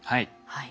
はい。